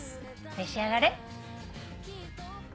召し上がれ。